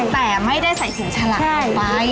แต่ไม่ได้ใส่ถุงฉลากออกไป